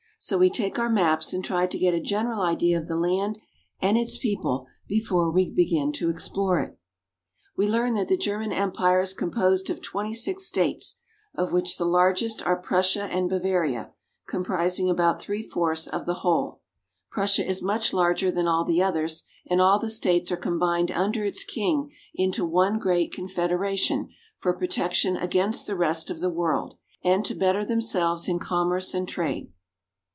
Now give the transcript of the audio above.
So we take our maps and try to get a general idea of the land and its people before we begin to explore it. German Peasants. IN THE GERMAN EMPIRE. 1 87 We learn that the German Empire is composed of twenty six states, of which the largest are Prussia and Bavaria, comprising about three fourths of the whole. Prussia is much larger than all the others ; and all the states are combined under its king into one great confederation for protection against the rest of the world and to better themselves in commerce and trade.